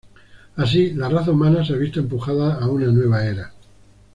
Así, la raza humana se ha visto empujada a una nueva era.